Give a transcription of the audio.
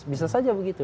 bisa saja begitu